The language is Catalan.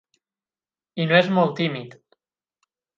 I no és molt tímid.